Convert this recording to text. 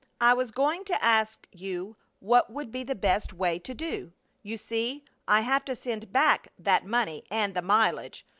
"I was going to ask you what would be the best way to do. You see, I have to send back that money and the mileage.